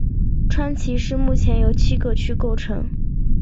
川崎市目前由七个区构成。